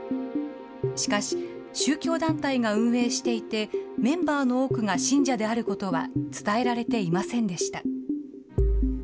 しかし、宗教団体が運営していて、メンバーの多くが信者であることは伝えられていませんでした。